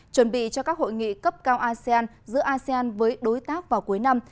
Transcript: chuẩn bị cho các hội nghị cấp cao asean giữa asean với đối tác vào cuối năm